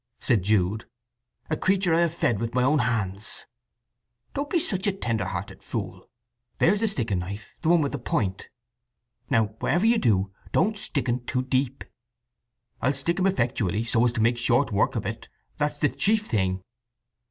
said Jude. "A creature I have fed with my own hands." "Don't be such a tender hearted fool! There's the sticking knife—the one with the point. Now whatever you do, don't stick un too deep." "I'll stick him effectually, so as to make short work of it. That's the chief thing."